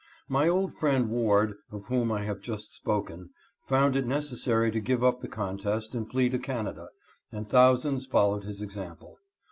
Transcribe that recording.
My old friend Ward, of whom I have just now spoken, found it necessa ry to give up the contest and flee to Canada, and thousands followed his example.